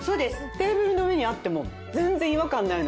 テーブルの上にあっても全然違和感ない。